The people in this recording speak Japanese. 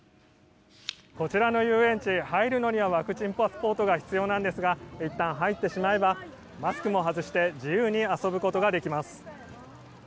こちらの遊園地へ入るのにはワクチンパスポートが必要なんですがいったん入ってしまえばマスクも外して自由に遊ぶことができます。